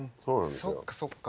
そっかそっか。